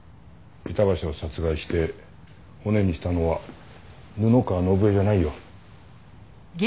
板橋を殺害して骨にしたのは布川伸恵じゃないよ。